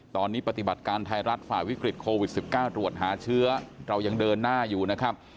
ตอนนี้ปฏิบัติการไทยรัฐฝ่าวิกฤตโควิด๑๙ตรวจหาเชื้อเรายังเดินหน้าอยู่นะครับ